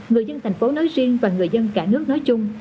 người dân thành phố nói riêng và người dân cả nước nói chung